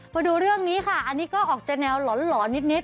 มาดูเรื่องนี้ค่ะอันนี้ก็ออกจะแนวหลอนนิด